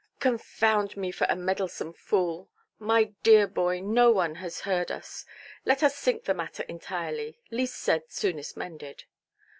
"Confound me for a meddlesome fool! My dear boy, no one has heard us. Let us sink the matter entirely. Least said, soonest mended".